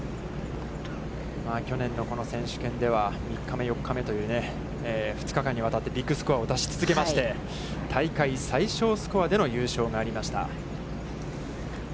去年のこの選手権では３日目、４日目という、２日間にわたってビッグスコアを出し続けまして、大会最少スコアでの優勝がありました。